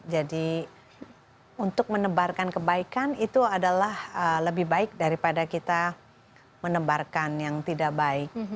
jadi untuk menebarkan kebaikan itu adalah lebih baik daripada kita menebarkan yang tidak baik